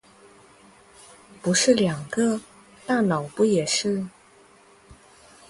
不是两个？大脑不也是？